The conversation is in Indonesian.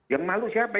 yang malu siapa